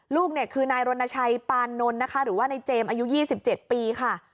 ลูกเนี่ยคือนายรณชัยปานนทนะคะหรือว่าในเจมส์อายุ๒๗ปีค่ะ